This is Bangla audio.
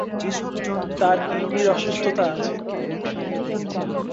তার কিডনির অসুস্থতা আছে।